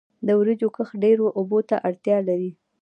د وریجو کښت ډیرو اوبو ته اړتیا لري.